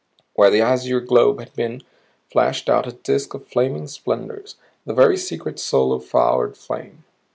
Where the azure globe had been, flashed out a disk of flaming splendors, the very secret soul of flowered flame!